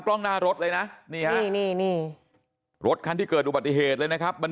กล้องหน้ารถเลยนะนี่ฮะนี่นี่รถคันที่เกิดอุบัติเหตุเลยนะครับมัน